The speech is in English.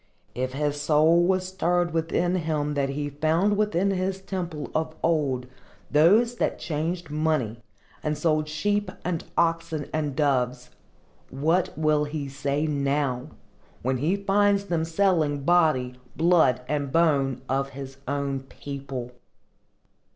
If his soul was stirred within him when he found within his temple of old those that changed money, and sold sheep and oxen and doves, what will he say now, when he finds them selling body, blood and bones, of his own people?